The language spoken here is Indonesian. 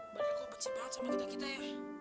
berarti kamu benci banget sama kita kita ya